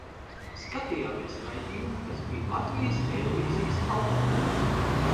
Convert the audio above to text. Skatījāmies raidījumu, kas bija Latvijas Eirovīzijas alternatīva.